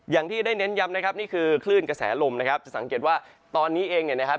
อย่างที่ได้เน้นยำนี่คือขลื่นกระแสลมันนะครับจะสังเกตว่าตอนนี้เองนะครับ